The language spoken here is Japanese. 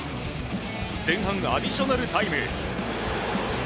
前半アディショナルタイム。